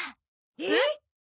えっ？